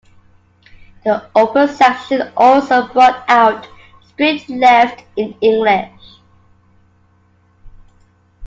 The 'open' section also brought out "Straight Left" in English.